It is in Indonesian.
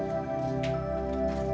apaan sih ini